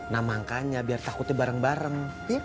nah makanya biar takutnya bareng bareng